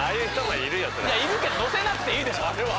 いるけど載せなくていいでしょあれは。